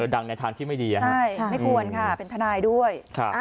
ดังในทางที่ไม่ดีใช่ไม่ควรค่ะเป็นทนายด้วย